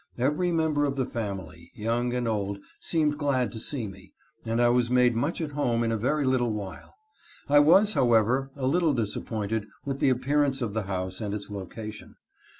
Every member of the family, young and old, seemed glad to see me, and I was made much at home in a very little while. I was, however, a little disappointed with the appearance of the house and its location.